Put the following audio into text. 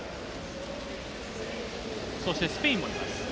そしてスペインが来ます。